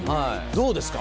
どうですか？